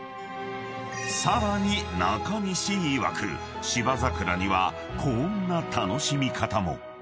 ［さらに中西いわく芝桜にはこんな楽しみ方も］